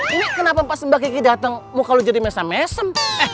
ini kenapa pas mbak kiki datang muka lo jadi mesem mesem